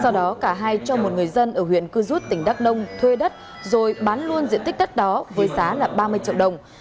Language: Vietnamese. sau đó cả hai cho một người dân ở huyện cư rút tỉnh đắk nông thuê đất rồi bán luôn diện tích đất đó với giá ba mươi triệu đồng